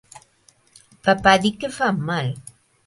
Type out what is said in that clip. Papá di que fan mal.